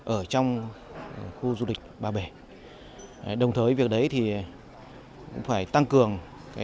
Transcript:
ở trong khu du lịch ba bể đồng thời việc đấy thì cũng phải tăng cường